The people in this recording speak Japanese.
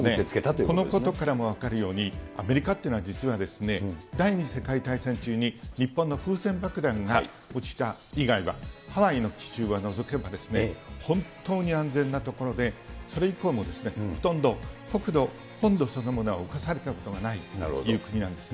このことからも分かるように、アメリカっていうのは実は第２次世界大戦中に日本の風船爆弾が落ちた以外は、ハワイの奇襲を除けば本当に安全な所でそれ以降もほとんど国土、本土そのものは侵されたことがないという国なんですね。